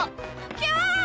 キャー！